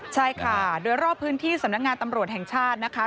ใช่ค่ะโดยรอบพื้นที่สำนักงานตำรวจแห่งชาตินะคะ